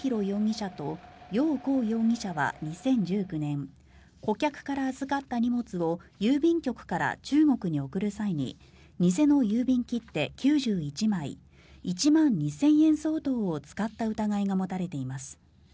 容疑者とヨウ・コウ容疑者は２０１９年顧客から預かった荷物を郵便局から中国に送る際に偽の郵便切手９１枚１万２０００円相当を使った疑いが持たれています。